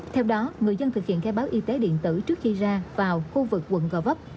theo đó người dân thực hiện khai báo y tế điện tử trước khi ra vào khu vực quận gò vấp